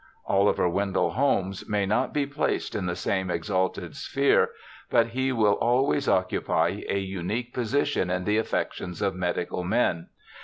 Oliver Wendell Holmes may not be placed in the same exalted sphere, but he will always occupy a unique position in the affections of medical men.